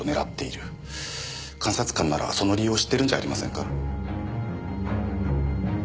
監察官ならその理由を知っているんじゃありませんか？